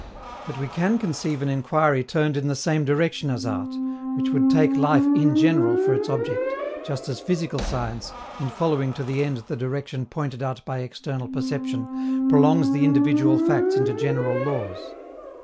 But we can conceive an inquiry turned in the same direction as art, which would take life in general for its object, just as physical science, in following to the end the direction pointed out by external perception, prolongs the individual facts into general laws.